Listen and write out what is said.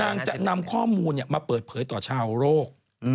นางจะนำข้อมูลมาเปิดเผยต่อชาวโรค